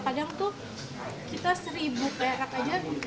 padahal itu kita seribu kayak anak aja